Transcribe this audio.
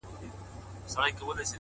علم د پرمختګ سرعت لوړوي’